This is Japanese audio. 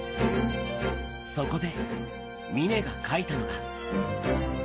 そこで、峰が描いたのが。